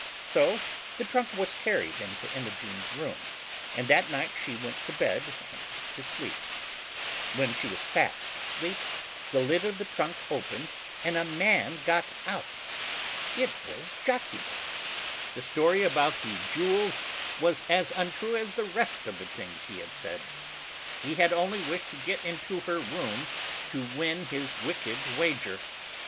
So the trunk was carried into Imogen's room, and that night she went to bed and to sleep. When she was fast asleep, the lid of the trunk opened and a man got out. It was lachimo. The story about the jewels was as untrue as the rest of the things he had said. He had only wished to get into her room to win his wicked wager.